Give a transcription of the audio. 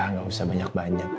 nah gak usah banyak banyak